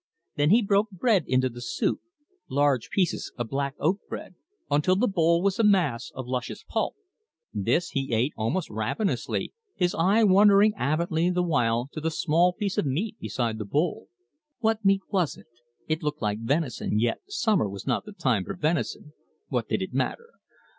Then he broke bread into the soup large pieces of black oat bread until the bowl was a mass of luscious pulp. This he ate almost ravenously, his eye wandering avidly the while to the small piece of meat beside the bowl. What meat was it? It looked like venison, yet summer was not the time for venison. What did it matter!